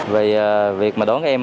vì việc mà đón em học